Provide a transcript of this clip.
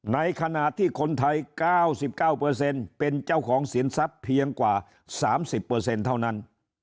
ในขณะที่คนไทย๙๙เป็นเจ้าของสินทรัพย์เพียงกว่า๓๐เท่านั้น